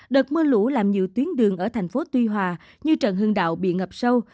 đợt mưa lũ làm nhiều tuyến đường ở thành phố tuy hòa như trần hưng đạo bị ngập sâu